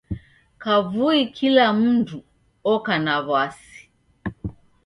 Kavui kila mndu oka na w'asi.